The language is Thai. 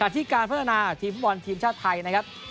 ที่การพัฒนาทีมฟุตบอลทีมชาติไทยนะครับ